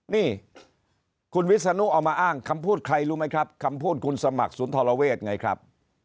นี่คุณวิศนุเอามาอ้างคำพูดใครรู้ไหมครับคำพูดคุณสมัครสุนทรเวศไงครับ